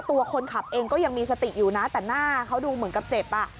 ตัวคนขับเองก็ยังมีสติอยู่นะแต่หน้าเขาดูเหมือนกับเจ็บอ่ะ